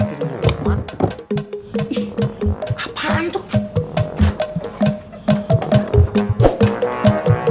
ih aparan tuh